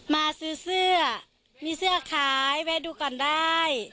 มาซื้อเสื้อมีเสื้อขายแวะดูก่อนได้